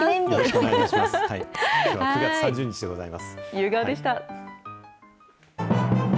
きょうは９月３０日でございます。